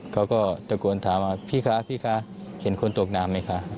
เขาก็ตะโกนถามว่าพี่คะพี่คะเห็นคนตกน้ำไหมคะ